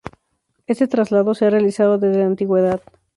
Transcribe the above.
Este traslado se ha realizado desde la antigüedad.